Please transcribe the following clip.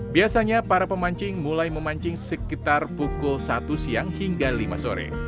biasanya para pemancing mulai memancing sekitar pukul satu siang hingga lima sore